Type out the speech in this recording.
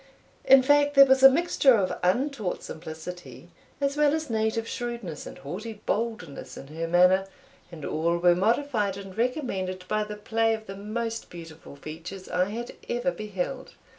In fact, there was a mixture of untaught simplicity, as well as native shrewdness and haughty boldness, in her manner, and all were modified and recommended by the play of the most beautiful features I had ever beheld.